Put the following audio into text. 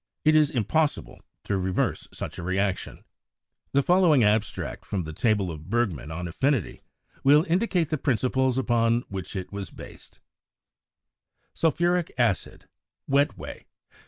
(4) It is impossible to reverse such a reaction. The following abstract from the table of Bergman on affinity will indicate the principles upon which it was based : DEVELOPMENT OF SPECIAL BRANCHES 139 Sulphuric acid. Wet way.